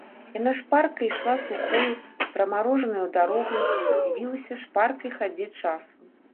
Яна шпарка ішла сухою прамарожанаю дарогаю і дзівілася шпаркай хадзе часу.